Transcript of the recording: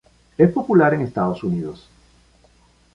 Es popular en Estados Unidos.